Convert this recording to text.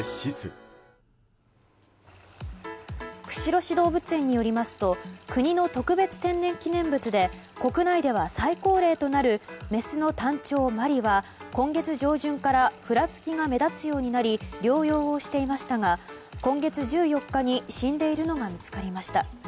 釧路市動物園によりますと国の特別天然記念物で国内では最高齢となるメスのタンチョウ、マリは今月上旬からふらつきが目立つようになり療養をしていましたが今月１４日に死んでいるのが見つかりました。